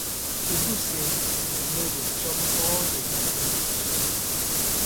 E good say we no go chop all the bad bad fish.